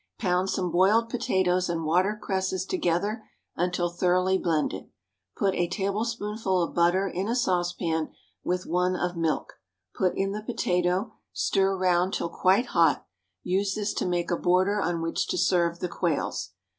Pound some boiled potatoes and water cresses together until thoroughly blended; put a tablespoonful of butter in a saucepan with one of milk; put in the potato, stir round till quite hot; use this to make a border on which to serve the quails.